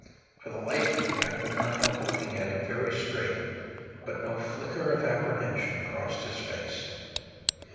For the life of me I could not help looking at him very straight. But no flicker of apprehension crossed his face.